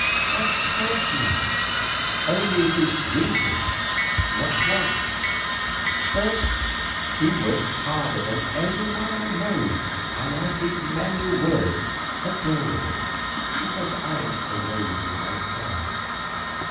"Of course not; only it is three things, not one. First, he works harder than any man I know, and I think men who work adorable, because I am so lazy myself.